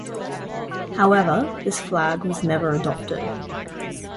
However, this flag was never adopted.